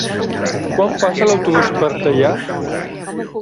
Quan passa l'autobús per Teià?